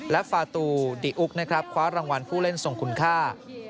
และฟาตูดีอุ๊กนะครับคว้ารางวัลผู้เล่นทรงคุณค่า